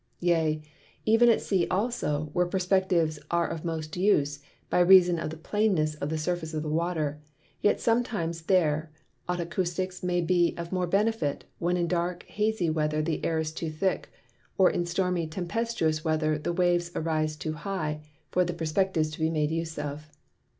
Yea, even at Sea also, where Perspectives are of most use, by reason of the plainess of the Surface of the Water; yet sometimes there Otacousticks may be of more benefit, when in dark hazy Weather the Air is too thick, or in Stormy Tempestuous Weather the Waves arise too high for the Perspective to be made use of.